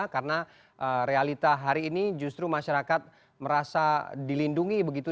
karena realita hari ini justru masyarakat merasa dilindungi begitu